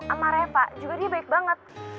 sama reva juga dia baik banget